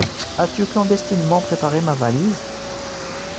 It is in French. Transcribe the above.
As-tu clandestinement préparé ma valise ?